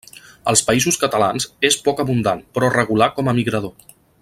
Als Països Catalans és poc abundant però regular com a migrador.